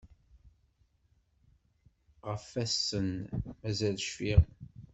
Ɣaf ass-n mazal cfiɣ.